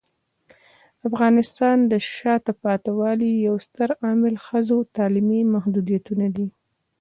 د افغانستان د شاته پاتې والي یو ستر عامل ښځو تعلیمي محدودیتونه دي.